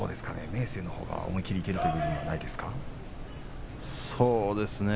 明生のほうが思い切りいけるということはそうですね。